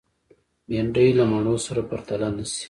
بېنډۍ له مڼو سره پرتله نشي